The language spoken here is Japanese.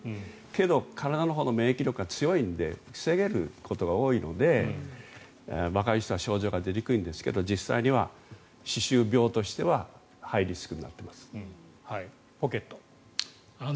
けれど体の免疫力が強いので防げることが多いので若い人は症状が出にくいんですが実際には歯周病としてはハイリスクだと。